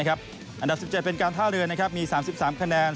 อันดับ๑๗เป็นการท่าเรือมี๓๓คะแนน